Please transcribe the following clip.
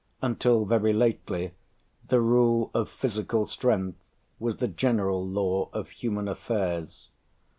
Until very lately, the rule of physical strength was the general law of human affairs.